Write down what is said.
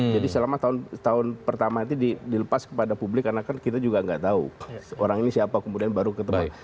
jadi selama tahun pertama itu dilepas kepada publik karena kan kita juga tidak tahu orang ini siapa kemudian baru ketemu